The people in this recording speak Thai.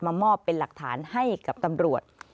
มามอบเป็นหลักฐานให้กับตำรวจ